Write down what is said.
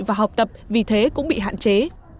và học tập vì thế cũng bị hạn chế